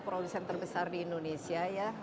produsen terbesar di indonesia ya